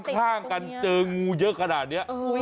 ข้างกันเจองูเยอะขนาดนี้